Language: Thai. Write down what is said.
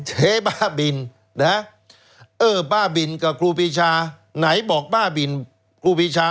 เจ๊บ้าบินนะเออบ้าบินกับครูปีชาไหนบอกบ้าบินครูปีชา